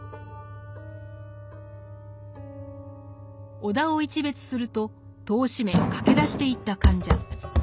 尾田を一瞥すると戸を閉め駆け出していった患者。